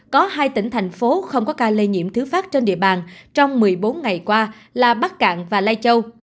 có hai tỉnh thành phố không có ca lây nhiễm thứ phát trên địa bàn trong một mươi bốn ngày qua là bắc cạn và lai châu